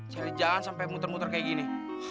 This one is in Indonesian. cari jalan sampe muter muter kayak gini